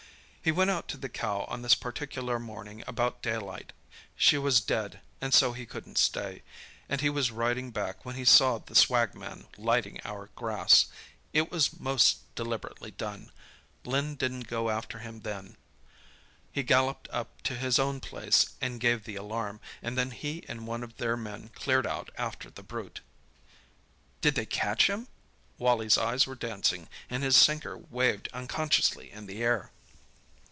"He went out to the cow on this particular morning about daylight. She was dead and so he didn't stay; and he was riding back when he saw the swag man lighting our grass. It was most deliberately done. Len didn't go after him then. He galloped up to his own place and gave the alarm, and then he and one of their men cleared out after the brute." "Did they catch him?" Wally's eyes were dancing, and his sinker waved unconsciously in the air.